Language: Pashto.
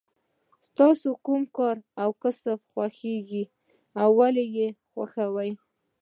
ستاسو کوم کار او کسب خوښیږي او ولې یې خوښوئ.